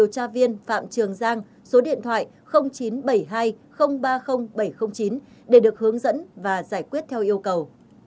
điều tra viên phạm trường giang số điện thoại chín trăm bảy mươi hai ba mươi bảy trăm linh chín để được hướng dẫn và giải quyết theo yêu cầu